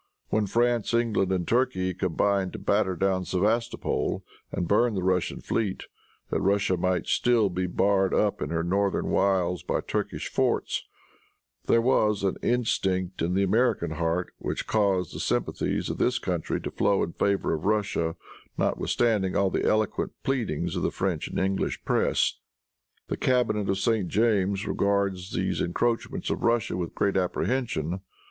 When France, England and Turkey combined to batter down Sevastopol and burn the Russian fleet, that Russia might still be barred up in her northern wilds by Turkish forts, there was an instinct in the American heart which caused the sympathies of this country to flow in favor of Russia, notwithstanding all the eloquent pleadings of the French and English press. The cabinet of St. James regards these encroachments of Russia with great apprehension.